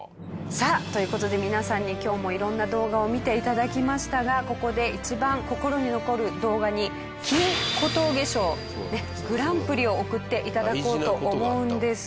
さあという事で皆さんに今日も色んな動画を見て頂きましたがここで一番心に残る動画に金小峠賞グランプリを贈って頂こうと思うんです。